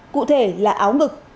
cụ thể là áo ngực